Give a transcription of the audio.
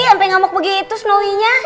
sampai ngamuk begitu snow nya